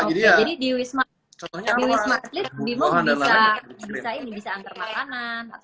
jadi di wisma atlet bimo bisa antar makanan